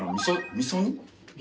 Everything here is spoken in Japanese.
みそ煮。